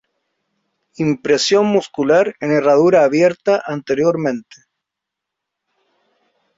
Impresión muscular en herradura abierta anteriormente.